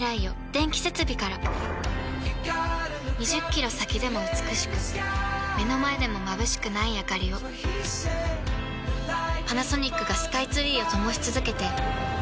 ２０キロ先でも美しく目の前でもまぶしくないあかりをパナソニックがスカイツリーを灯し続けて今年で１０年